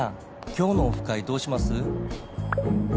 「今日のオフ会どうします？」